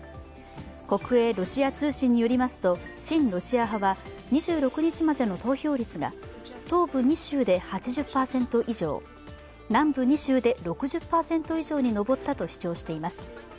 国営ロシア通信によりますと親ロシア派は２６日までの投票率が東部２州で８０％以上、南部２州で６０％以上に上ったと主張しています。